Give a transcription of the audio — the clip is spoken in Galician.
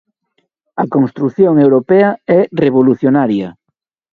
A construción europea é revolucionaria.